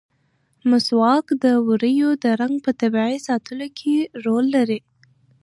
مسواک د ووریو د رنګ په طبیعي ساتلو کې رول لري.